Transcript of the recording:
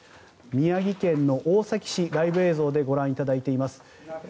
宮城県大崎市、ライブ映像でご覧いただいています。